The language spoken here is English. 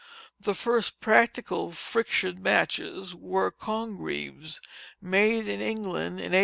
The first practical friction matches were "Congreves," made in England in 1827.